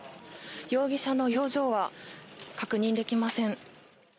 容疑者の表情は確認できません。